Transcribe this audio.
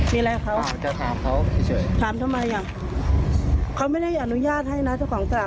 มีอะไรเขาจะถามเขาเฉยถามทำไมอ่ะเขาไม่ได้อนุญาตให้นะเจ้าของสลาก